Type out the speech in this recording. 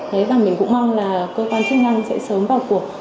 thế và mình cũng mong là cơ quan chức năng sẽ sớm vào cuộc